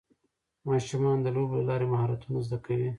ماشومان د لوبو له لارې مهارتونه زده کوي